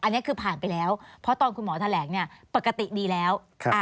อันนี้คือผ่านไปแล้วเพราะตอนคุณหมอแถลงเนี่ยปกติดีแล้ว